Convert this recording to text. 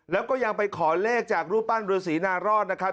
แล้วก็ยังไปขอเลขจากรูปปั้นฤษีนารอดนะครับ